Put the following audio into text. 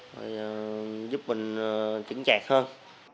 và giúp mình tỉnh chạy hơn